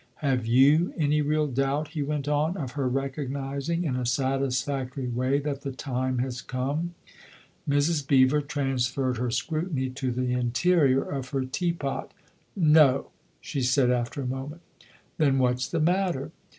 Have you any real doubt," he went on, " of her recognising in a satisfactory way that the time has come ?" Mrs. Beever transferred her scrutiny to the interior of her teapot. " No !" she said after a moment. " Then what's the matter